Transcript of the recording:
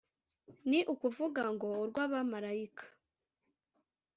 ni ukuvuga ngo urw abamarayika